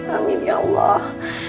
amin ya allah